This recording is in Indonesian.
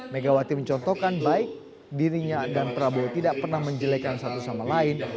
megawati mencontohkan baik dirinya dan prabowo tidak pernah menjelekan satu sama lain